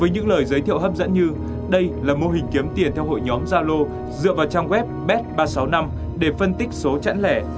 với những lời giới thiệu hấp dẫn như đây là mô hình kiếm tiền theo hội nhóm gia lô dựa vào trang web bet ba trăm sáu mươi năm để phân tích số chẵn lẻ